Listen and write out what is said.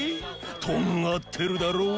とんがってるだろ！